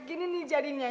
gini nih jadinya